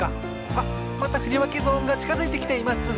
あっまたふりわけゾーンがちかづいてきています。